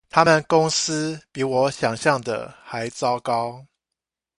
他們公司比我想像的還糟糕